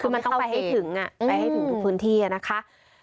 คือมันต้องไปให้ถึงไปให้ถึงทุกพื้นที่นะคะ